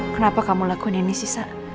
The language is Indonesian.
kue itu yang ngirim elsa